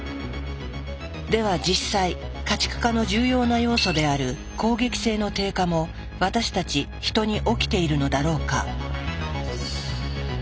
では実際家畜化の重要な要素である攻撃性の低下も私たちヒトに起きているのだろうか？